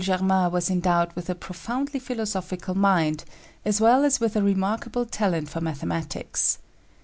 Germain was endowed with a profoundly philosophical mind as well as with a remarkable talent for mathematics.